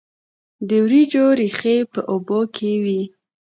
د وریجو ریښې په اوبو کې وي.